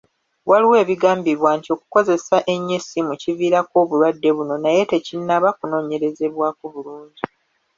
Waliwo ebigambibwa nti okukozesa ennyo esimu kiviirako obulwadde buno naye tekinnaba kunoonyerezebwako bulungi